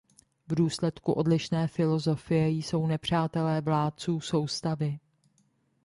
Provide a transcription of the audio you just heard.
V důsledku odlišné filosofie jsou nepřátelé vládců soustavy.